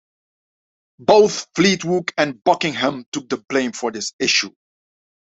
Both Fleetwood and Buckingham took the blame for this issue.